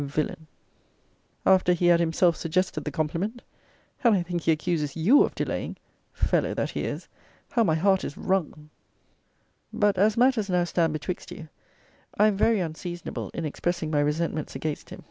Villain! After he had himself suggested the compliment! And I think he accuses YOU of delaying! Fellow, that he is! How my heart is wrung But as matters now stand betwixt you, I am very unseasonable in expressing my resentments against him.